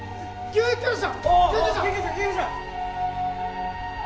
救急車！